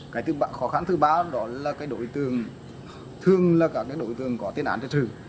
cái khó khăn thứ ba đó là đối tượng thường là các đối tượng có tiên án trật trừ